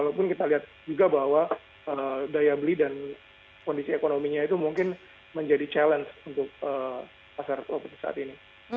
walaupun kita lihat juga bahwa daya beli dan kondisi ekonominya itu mungkin menjadi challenge untuk pasar properti saat ini